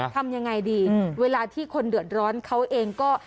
ทำยังไงดีเวลาที่คนเดือดร้อนเขาเองก็